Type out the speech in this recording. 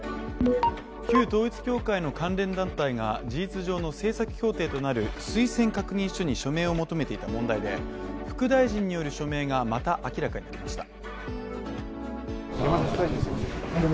旧統一教会の関連団体が、事実上の政策協定となる推薦確認書に署名を求めていた問題で副大臣による署名がまた明らかになりました。